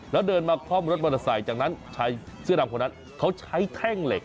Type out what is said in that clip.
แล้วเดินมาคล่อมรถมอเตอร์ไซค์จากนั้นชายเสื้อดำคนนั้นเขาใช้แท่งเหล็ก